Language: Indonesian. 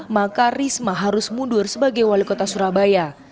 maka risma harus mundur sebagai wali kota surabaya